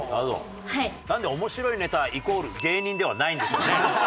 なんで面白いネタイコール芸人ではないんでしょうね？